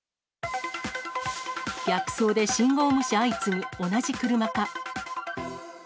逆走で信号無視相次ぐ、同じ車か？